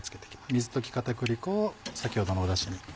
水溶き片栗粉を先ほどのダシに。